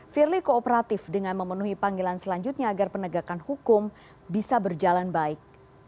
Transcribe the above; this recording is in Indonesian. firly kooperatif dengan memenuhi panggilan selanjutnya agar penegakan hukum bisa berjalan baik